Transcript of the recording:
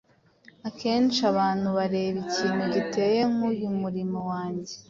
Akenshi abantu bareba ikintu giteye nk’uyu murimo wanjye,